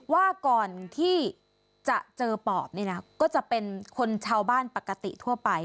ว่าก่อนที่จะเจอปอบนี่นะก็จะเป็นคนชาวบ้านปกติทั่วไป